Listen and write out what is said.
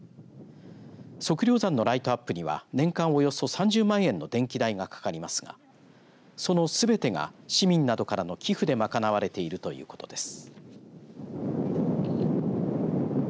測量山のライトアップには年間およそ３０万円の電気代がかかりますがそのすべてが市民などからの寄付で賄われているということです。